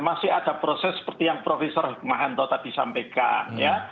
masih ada proses seperti yang prof mahanto tadi sampaikan ya